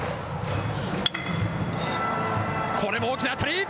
これも大きな当たり。